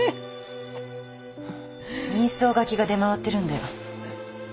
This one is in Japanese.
人相書きが出回ってるんだよ。